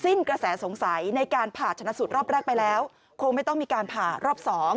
สิ้นกระแสสงสัยในการผ่าชนะสูตรรอบแรกไปแล้วคงไม่ต้องมีการผ่ารอบ๒